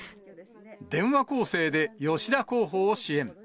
電話攻勢で吉田候補を支援。